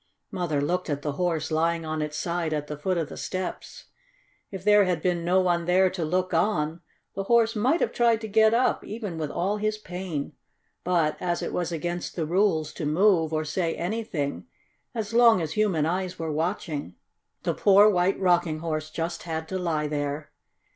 Mother looked at the Horse lying on its side at the foot of the steps. If there had been no one there to look on, the Horse might have tried to get up, even with all his pain. But, as it was against the rules to move or say anything as long as human eyes were watching, the poor White Rocking Horse just had to lie there.